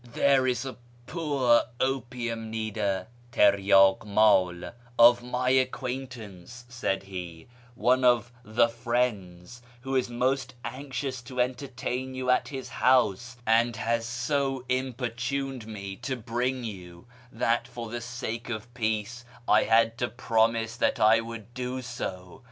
" There is a poor opium kneader {tirydk mdl) of my acquaintance," said he, " one of ' the Friends,' who is most anxious to entertain you at his house, and has so importuned me to bring you, that for the sake of peace I had to promise that I would do so.